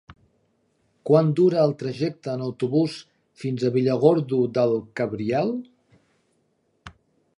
Quant dura el trajecte en autobús fins a Villargordo del Cabriel?